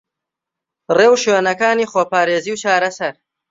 رێوشوێنەکانی خۆپارێزی و چارەسەر